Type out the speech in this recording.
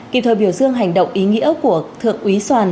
kịp thời biểu dương hành động ý nghĩa của thượng úy soàn